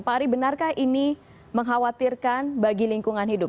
pak ari benarkah ini mengkhawatirkan bagi lingkungan hidup